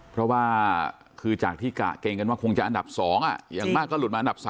เพราะว่าคือจากที่กะเกรงกันว่าคงจะอันดับ๒อย่างมากก็หลุดมาอันดับ๓